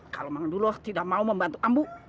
kalau mangan duloh tidak mau membantu ambu